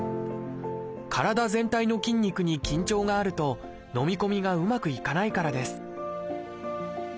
体全体の筋肉に緊張があるとのみ込みがうまくいかないからです